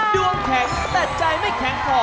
ดวงแข็งแต่ใจไม่แข็งพอ